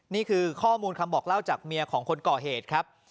นี่คือข้อมูลคำบอกเล่าจากเมียของคนก่อเหตุครับ